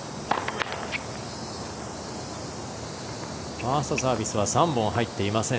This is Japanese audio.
ファーストサービスは３本入っていません。